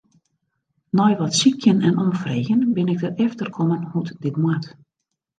Nei wat sykjen en omfreegjen bin ik derefter kommen hoe't dit moat.